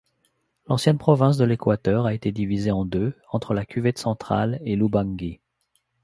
L'ancienne province de l'Équateur a été divisée en deux, entre la Cuvette-Centrale et l'Ubangi.